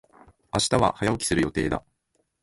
明日は早起きする予定だ。